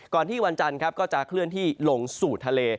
ที่วันจันทร์ก็จะเคลื่อนที่ลงสู่ทะเล